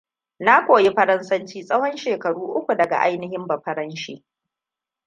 Na koyi faransanci tsahon shekaru uku daga ainihin bafaranshe.